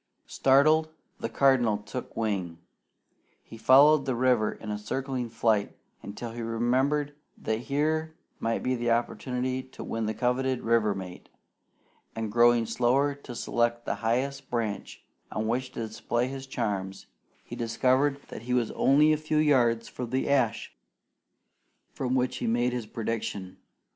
Startled, the Cardinal took wing. He followed the river in a circling flight until he remembered that here might be the opportunity to win the coveted river mate, and going slower to select the highest branch on which to display his charms, he discovered that he was only a few yards from the ash from which he had made his prediction.